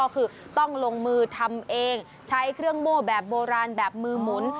คือต้องลงมือทำเองใช้เครื่องโม่แบบโบราณแบบมือหมุน